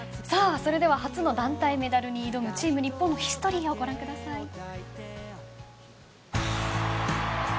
それでは初の団体メダルに挑むチーム日本のヒストリーをご覧ください。